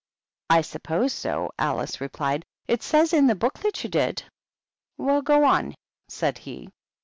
" I suppose so," Alice replied. " It says in the book that you did." "Well, go on," said he.